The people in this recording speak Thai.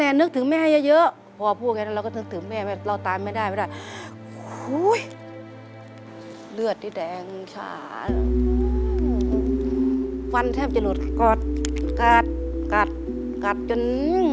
เลือดที่แดงชาฟันแทบจะหลุดกัดจน